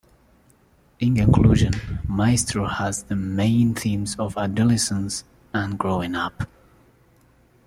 In conclusion, "Maestro" has the main themes of adolescence and growing up.